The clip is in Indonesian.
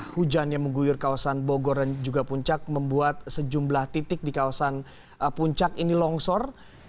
hujan yang mengguyur kawasan bogor dan juga puncak membuat sejumlah titik di kawasan puncak ini longsor